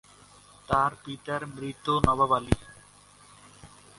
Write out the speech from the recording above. তার পিতার মৃত নবাব আলী।